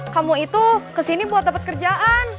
kamu itu kesini buat dapat kerjaan